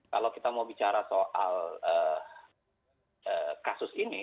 kalau kita mau bicara soal kasus ini